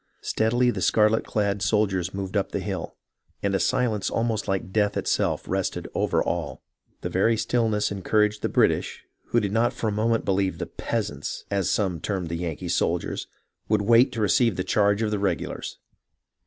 Steadily the scarlet clad soldiers moved up the hill, and a silence almost like death itself rested over all. The very stillness encouraged the British, who did not for a moment believe the " peasants," as some termed the Yankee soldiers, would wait to receive the charge of the regulars.